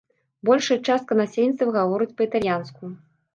Большая частка насельніцтва гаворыць па-італьянску.